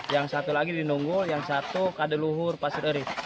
yang satu lagi di nunggul yang satu di kadeluhur pasir eris